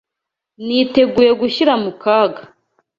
Niteguye gushyira mu kaga.